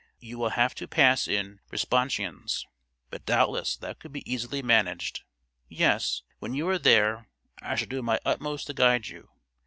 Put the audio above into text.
You will have to pass in Responsions; but doubtless that could be easily managed. Yes, when you are there I shall do my utmost to guide you.